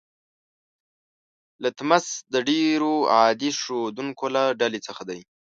لتمس د ډیرو عادي ښودونکو له ډلې څخه دی.